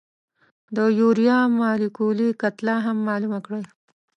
د یوریا مالیکولي کتله هم معلومه کړئ.